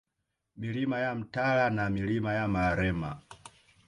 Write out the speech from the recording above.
Milima ya Mantala na Milima ya Marema